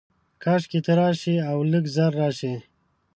کاشکي ته راشې، اولږ ژر راشې